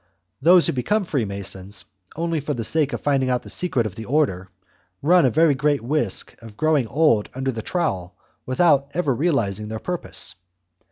Those who become Freemasons only for the sake of finding out the secret of the order, run a very great risk of growing old under the trowel without ever realizing their purpose.